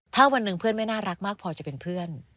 ถ้าวันหนึ่งเพื่อนไม่น่ารักมากพอจะเป็นเพื่อน